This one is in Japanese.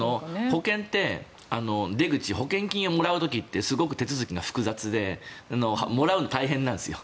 保険の出口保険金をもらう時ってすごく手続きが複雑でもらうの大変なんですよ。